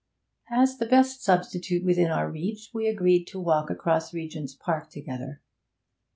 As the best substitute within our reach we agreed to walk across Regent's Park together.